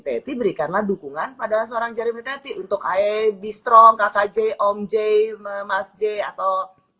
teti berikanlah dukungan pada seorang jeremy tety untuk ae distro kkj om j mas j atau